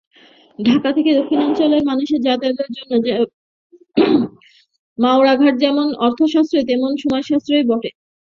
ঢাকা থেকে দক্ষিণাঞ্চলের মানুষের যাতায়াতের জন্য মাওয়াঘাট যেমন অর্থসাশ্রয়ী তেমনি সময়সাশ্রয়ীও বটে।